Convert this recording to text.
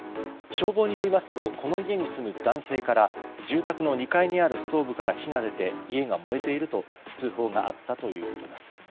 消防によりますとこの家に住む男性から住宅の２階にあるストーブから火が出て家が燃えていると通報があったということです。